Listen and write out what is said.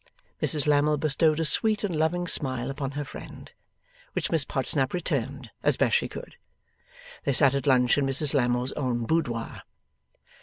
Mrs Lammle bestowed a sweet and loving smile upon her friend, which Miss Podsnap returned as she best could. They sat at lunch in Mrs Lammle's own boudoir.